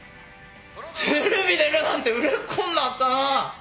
テレビ出るなんて売れっ子んなったな。